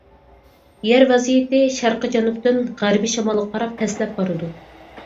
يەر ۋەزىيىتى شەرقىي جەنۇبتىن غەربىي شىمالغا قاراپ پەسلەپ بارىدۇ.